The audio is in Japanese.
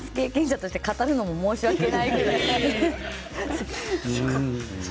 ダンス経験者として語るのも申し訳ないくらい。